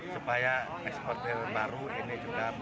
supaya ekspor bil baru ini